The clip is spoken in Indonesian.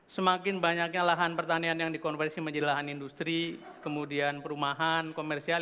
semakin banyaknya lahan pertanian yang dikonversi menjadi lahan industri kemudian perumahan komersial